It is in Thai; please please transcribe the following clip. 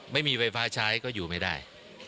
ไม่มีไฟฟ้าใช้ก็อยู่ไม่ได้